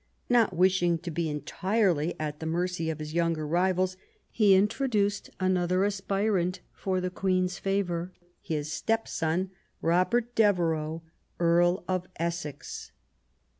Not wishing to be entirely at the mercy of his younger rivals, he introduced another aspirant for the Queen's favour, his step ^on, Robert Devereux. Earl of Essex.